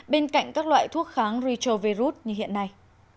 bên cạnh các loại thuốc kháng retrovirut như hiện nay